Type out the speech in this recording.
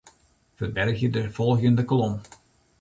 Ferbergje de folgjende kolom.